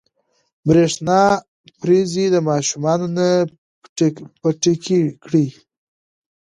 برېښنا پريزې د ماشوم نه پټې کړئ.